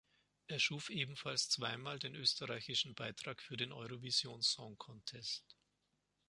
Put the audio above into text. Er schuf ebenfalls zweimal den österreichischen Beitrag für den Eurovision Song Contest.